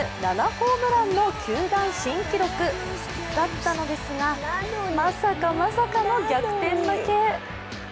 ７ホームランの球団新記録だったのですがまさかまさかの逆転負け。